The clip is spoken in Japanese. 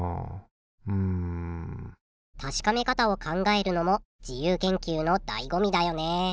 うんたしかめ方を考えるのも自由研究のだいごみだよね！